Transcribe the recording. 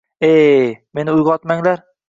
E-e, meni uyg`otmanglar